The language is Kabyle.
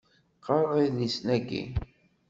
Qqaṛeɣ idlisen-agi.